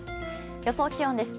予想気温です。